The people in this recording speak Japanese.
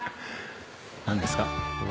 何ですか？